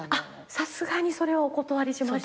さすがにそれはお断りしましたけど。